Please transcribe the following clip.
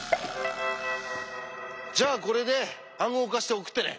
じゃあこれで暗号化して送ってね。